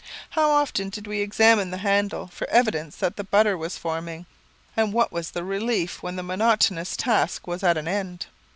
How often did we examine the handle for evidence that the butter was forming, and what was the relief when the monotonous task was at an end.